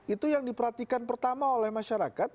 itu yang diperhatikan pertama oleh masyarakat